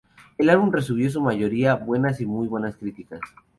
El álbum recibió su mayoría buenas y muy buenas críticas.